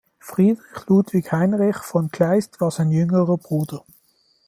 Friedrich Ludwig Heinrich von Kleist war sein jüngerer Bruder.